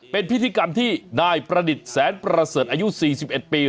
เป็นพิธีกรรมที่นายประดิษฐ์แสนประเสริฐอายุ๔๑ปี